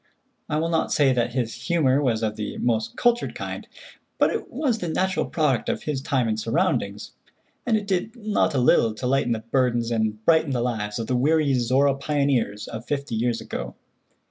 I will not say that his humor was of the most cultured kind, but it was the natural product of his time and surroundings, and it did not a little to lighten the burdens and brighten the lives of the weary Zorra pioneers of fifty years ago.